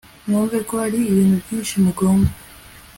mwumve ko hari ibintu byinshi muhomba